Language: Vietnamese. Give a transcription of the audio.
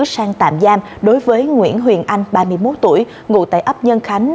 sang tạm giam đối với nguyễn huyền anh ba mươi một tuổi ngụ tại ấp nhân khánh